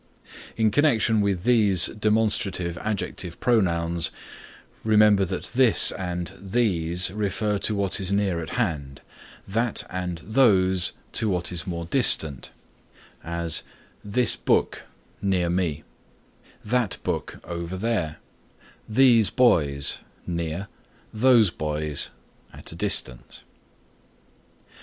In connection with these demonstrative adjective pronouns remember that this and these refer to what is near at hand, that and those to what is more distant; as, this book (near me), that book (over there), these boys (near), those boys (at a distance).